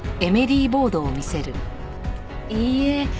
いいえ。